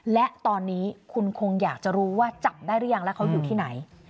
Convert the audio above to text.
และตอนนี้คุณคงอยากจะรู้ว่าจับได้หรือยังแล้วเขาอยู่ที่ไหน